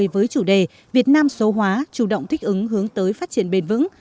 với chủ đề việt nam số hóa chủ động thích ứng hướng tới phát triển bền vững